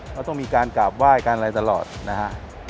เขาต้องมีการกราบไหว้การอะไรตลอดนะฮะ